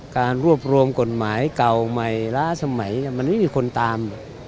การรวบรวมกฎหมายเก่าใหม่ล้าสมัยมันไม่มีคนตาม